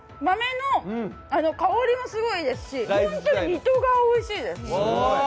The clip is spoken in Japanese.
豆の香りもすごいですし本当に糸がおいしいです。